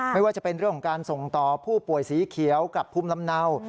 ไม่ว่าจะเป็นเรื่องของการส่งต่อผู้ป่วยสีเขียวกับภูมิลำเนา